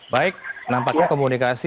baik nampaknya komunikasi